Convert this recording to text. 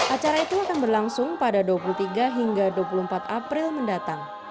acara itu akan berlangsung pada dua puluh tiga hingga dua puluh empat april mendatang